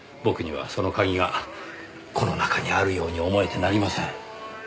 僕にはその鍵がこの中にあるように思えてなりません。